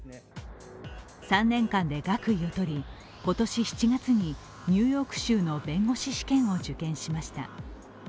３年間で学位をとり、今年７月にニューヨーク州の弁護士試験を受験しました。